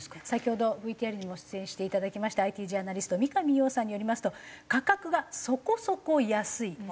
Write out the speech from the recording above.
先ほどＶＴＲにも出演していただきましたＩＴジャーナリスト三上洋さんによりますと価格がそこそこ安い。